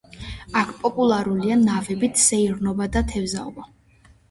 აქ პოპულარულია ნავებით სეირნობა და თევზაობა.